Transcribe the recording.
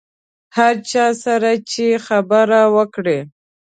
هر چا سره چې خبره وکړې.